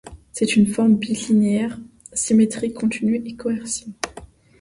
C'est une forme bilinéaire symétrique continue et coercive.